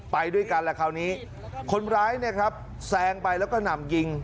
ไปด้วยกันคราวนี้คนร้ายแซงไปแล้วก็หนำยิง